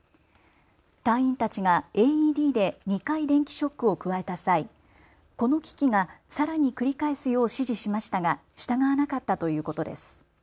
隊員たちがＡＥＤで２回電気ショックを加えた際、この機器がさらに繰り返すよう指示しましたが従わなかったということです。